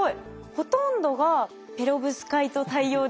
ほとんどがペロブスカイト太陽電池ですか？